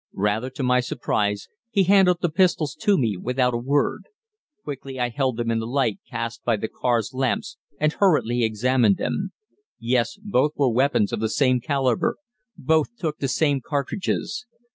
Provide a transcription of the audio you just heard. Rather to my surprise he handed the pistols to me without a word. Quickly I held them in the light cast by the car's lamps and hurriedly examined them. Yes, both were weapons of the same calibre, both took the same cartridges.